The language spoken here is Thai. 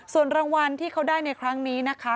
ส่วนรางวัลที่เขาได้ในครั้งนี้นะคะ